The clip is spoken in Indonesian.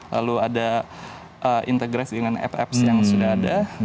lalu ada integrasi dengan apps yang sudah ada